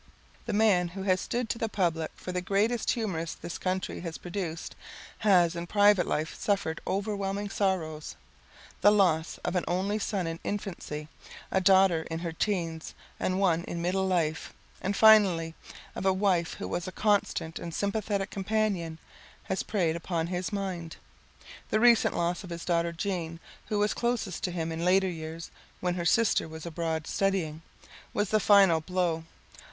The man who has stood to the public for the greatest humorist this country has produced has in private life suffered overwhelming sorrows. The loss of an only son in infancy, a daughter in her teens and one in middle life, and finally of a wife who was a constant and sympathetic companion, has preyed upon his mind. The recent loss of his daughter Jean, who was closest to him in later years when her sister was abroad studying, was the final blow.